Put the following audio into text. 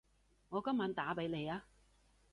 我今晚打畀你吖